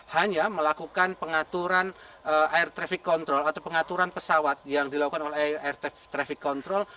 hanya melakukan pengaturan air traffic control atau pengaturan pesawat yang dilakukan oleh air traffic control